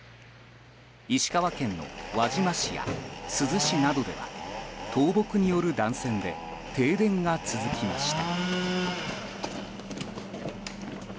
石川県の輪島市や珠洲市などでは倒木による断線で停電が続きました。